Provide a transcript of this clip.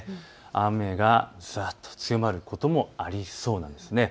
雨がざっと強まることもありそうです。